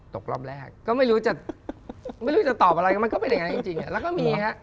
ตกรอบแรกก็ไม่รู้จะตอบอะไรมันก็แบบนั้นจริงแล้วก็มีครับ